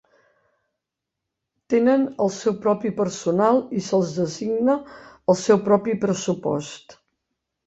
Tenen el seu propi personal i se'ls designa el seu propi pressupost.